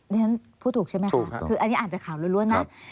ฉันพูดถูกใช่ไหมคะคืออันนี้อ่านจากข่าวล้วนนะ